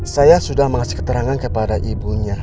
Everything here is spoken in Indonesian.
saya sudah mengasih keterangan kepada ibunya